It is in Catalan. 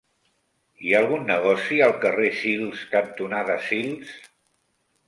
Hi ha algun negoci al carrer Sils cantonada Sils?